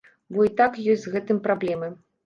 Бо і так ёсць з гэтым праблемы.